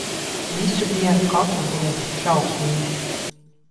Visu dienu, katru dienu. Šausmīgi.